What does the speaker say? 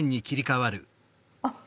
あっ！